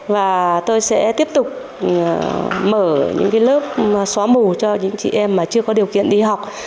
và tôi sẽ tiếp tục mở những lớp xóa mù cho những chị em mà chưa có điều kiện đi học